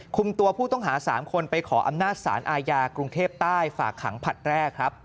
คุมตัวผู้ต้องหา๓คนไปขออำนาจศาลอายาคกรุงเทพฯฝากขังผัดแรก